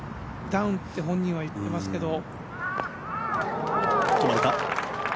ダウンって本人は言ってますけど。